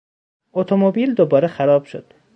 اتومبیل دوبار خراب شد.